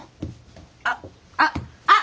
あっあっあっ！